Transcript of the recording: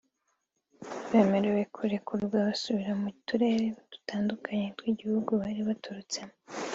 bemerewe kurekurwa basubira mu turere dutandukanye tw’igihugu bari baturutsemo